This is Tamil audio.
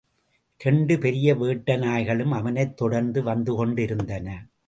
இரண்டு பெரிய வேட்டைநாய்களும் அவனைத் தொடர்ந்து வந்துகொண்டிருந்தன.